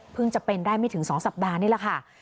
จะเป็นได้ไม่ถึง๒สัปดาห์นี่แหละค่ะ